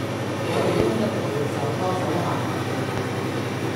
我地都一定會手拖手行落去